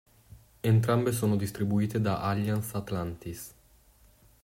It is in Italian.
Entrambe sono distribuite da Alliance Atlantis.